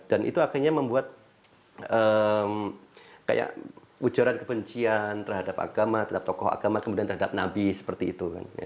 dan itu akhirnya membuat ujaran kebencian terhadap agama terhadap tokoh agama kemudian terhadap nabi seperti itu